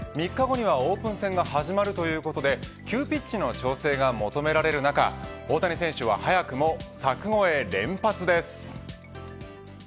３日後にはオープン戦が始まるということで急ピッチの調整が求められる中大谷選手は早くも柵越え連発です。